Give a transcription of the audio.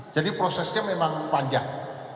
jadi prosesnya memang panjang